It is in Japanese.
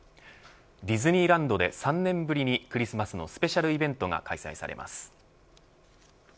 ディズニーランドで３年ぶりにクリスマスのスペシャルイベントが開催されます。